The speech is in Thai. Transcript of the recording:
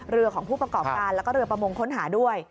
เรือของผู้ประกอบการแล้วก็เรือประมงค้นหาด้วย